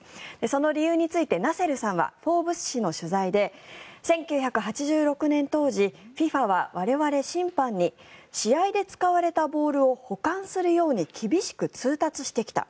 その理由についてナセルさんは「フォーブス」誌の取材で１９８６年当時ＦＩＦＡは我々審判に試合で使われたボールを保管するように厳しく通達してきた。